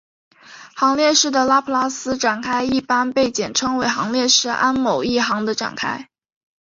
行列式的拉普拉斯展开一般被简称为行列式按某一行的展开。